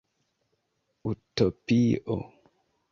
Utopio